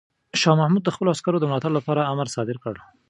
شاه محمود د خپلو عسکرو د ملاتړ لپاره امر صادر کړ.